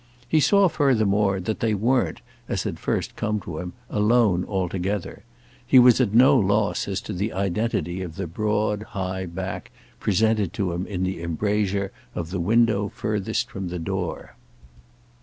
He saw furthermore that they weren't, as had first come to him, alone together; he was at no loss as to the identity of the broad high back presented to him in the embrasure of the window furthest from the door.